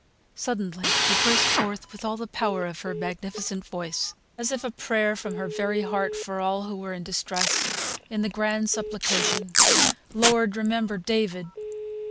Suddenly she burst forth with all the power of her magnificent voice, as if a prayer from her very heart for all who were in distress, in the grand supplication, "Lord, remember David."